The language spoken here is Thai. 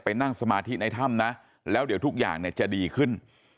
นั่งสมาธิในถ้ำนะแล้วเดี๋ยวทุกอย่างเนี่ยจะดีขึ้น